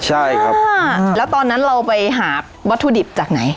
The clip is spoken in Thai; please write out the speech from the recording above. ใช่ครับแล้วตอนนั้นเราไปหาวัตถุดิบจากไหน